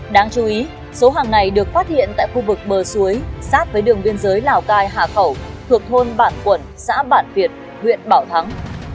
đáng chú ý số hàng này được phát hiện tại khu vực bờ suối sát với đường biên giới lào cai hà khẩu thuộc thôn bản quẩn xã bản việt huyện bảo thắng